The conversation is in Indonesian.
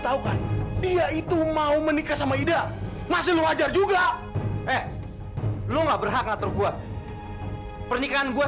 mau kan dia itu mau menikah sama ida masih wajar juga eh lu nggak berhak ngatur gua pernikahan gua